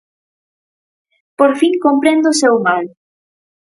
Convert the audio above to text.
Por fin comprendo o seu mal!